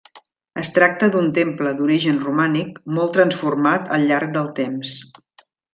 Es tracta d'un temple d'origen romànic, molt transformat al llarg dels temps.